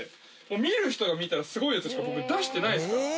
見る人が見たらすごいやつしか僕出してないですから。